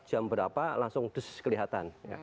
jam berapa langsung dus kelihatan